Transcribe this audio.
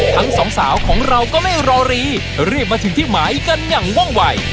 ทั้งสองสาวของเราก็ไม่รอรีรีบมาถึงที่หมายกันอย่างว่องวัย